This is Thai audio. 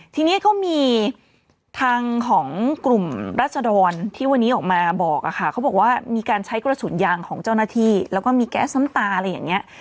ทีนี้ก็มีทางของกลุ่มรัศดรที่วันนี้ออกมาบอกอะค่ะเขาบอกว่ามีการใช้กระสุนยางของเจ้าหน้าที่แล้วก็มีแก๊สน้ำตาอะไรอย่างนี้